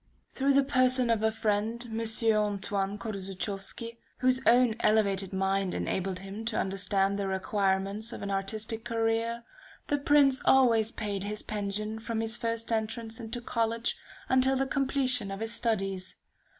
Through the person of a friend, M. Antoine Korzuchowski, whose own elevated mind enabled him to understand the requirements of an artistic career, the Prince always paid his pension from his first entrance into college, until the completion of his studies.